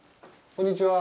こんにちは。